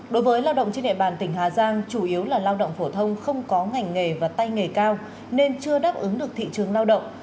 đối với lao động trên địa bàn tỉnh hà giang chủ yếu là lao động phổ thông không có ngành nghề và tay nghề cao nên chưa đáp ứng được thị trường lao động